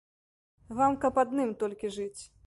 Вам каб адным толькі жыць!